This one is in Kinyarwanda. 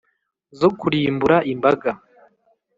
zo kurimbura imbaga